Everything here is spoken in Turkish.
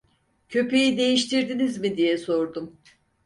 Köpeği değiştirdiniz mi? diye sordum.